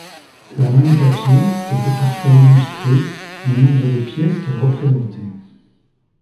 La monnaie papier était parfois illustrée du nombre de pièces qu'elle représentait.